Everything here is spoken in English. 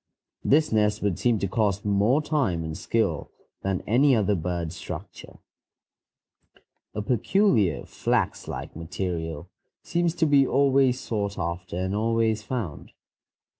This nest would seem to cost more time and skill than any other bird structure. A peculiar flax like material seems to be always sought after and always found.